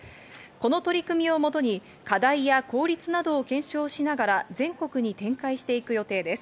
この取り組みをもとに課題や効率などを検証しながら全国に展開していく予定です。